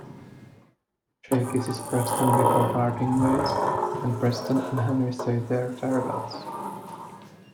Shay kisses Preston before parting ways and Preston and Henry say their farewells.